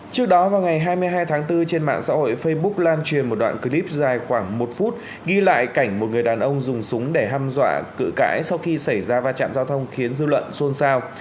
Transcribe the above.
trước đó vào ngày hai mươi hai tháng bốn trên mạng xã hội facebook lan truyền một đoạn clip dài khoảng một phút ghi lại cảnh một người đàn ông dùng súng để hâm dọa cự cãi sau khi xảy ra va chạm giao thông khiến dư luận xôn xao